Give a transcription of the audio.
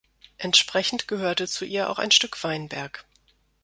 Entsprechend gehörte zu ihr auch ein Stück Weinberg.